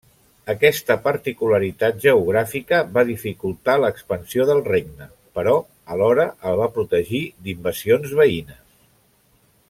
Aquesta particularitat geogràfica va dificultar l'expansió del regne, però alhora el va protegir d'invasions veïnes.